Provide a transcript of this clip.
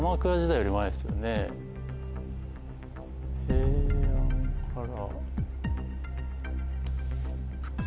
平安から。